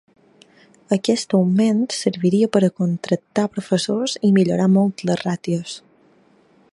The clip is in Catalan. Aquest augment serviria per a contractar professors i millorar molt les ràtios.